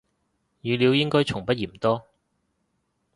語料應該從不嫌多